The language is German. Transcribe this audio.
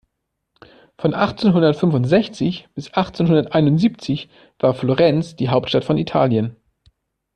Von achtzehnhundertfünfundsechzig bis achtzehnhunderteinundsiebzig war Florenz die Hauptstadt von Italien.